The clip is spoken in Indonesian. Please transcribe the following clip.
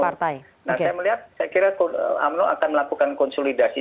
nah saya melihat saya kira umno akan melakukan konsolidasi